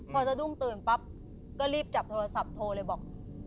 พอสะดุ้งตื่นปั๊บก็รีบจับโทรศัพท์โทรเลยบอก